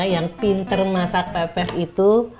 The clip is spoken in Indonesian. yang pinter masak pepes itu